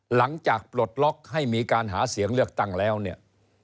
ปลดล็อกให้มีการหาเสียงเลือกตั้งแล้วเนี่ย